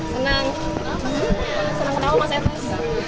senang ketawa mas etes